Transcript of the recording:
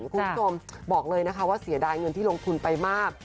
คุณผู้ชมบอกเลยนะคะว่าเสียดายเงินที่ลงทุนไปมาก